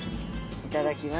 いただきます。